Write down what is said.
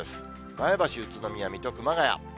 前橋、宇都宮、水戸、熊谷。